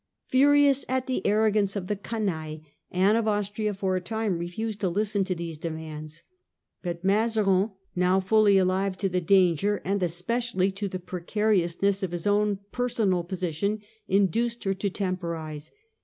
Furious at the arrogance of the 'canaille,* Anne of Austria for a time refused to listen to these demands. Concessions But Mazarin, now fully alive to the danger, of the court. an( j especially to the precariousness of his personal position, induced her to temporise.